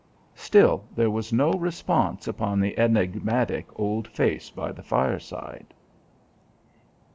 Still there was no response upon the enigmatic old face by the fireside.